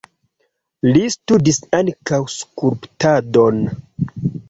Li studis ankaŭ skulptadon.